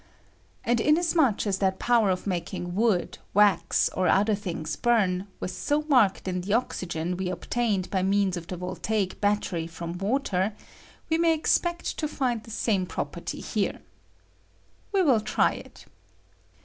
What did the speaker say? And inasmuch as that power of making wood, wax, or other things bum, was so marked in the oxygen we obtained by means of the voltdc battery from water, we may expect to find the aame property here. "We will tiy it.